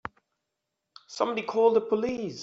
Somebody call the police!